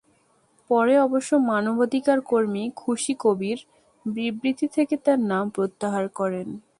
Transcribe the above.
পরে অবশ্য মানবাধিকারকর্মী খুশী কবির বিবৃতি থেকে তাঁর নাম প্রত্যাহার করেন।